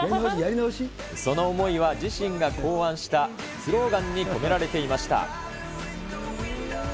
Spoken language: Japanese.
その思いは自身が考案したスローガンに込められていました。